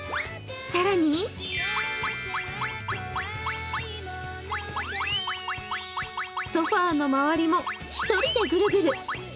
更にソファーの周りも１人でぐるぐる。